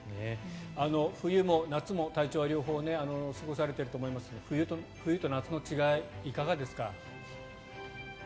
冬も夏も隊長は両方過ごされていると思いますが冬と夏の違い、いかがですか？